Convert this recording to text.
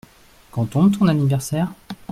Quand tombe ton anniversaire ?